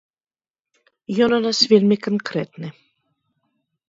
Ён у нас вельмі канкрэтны.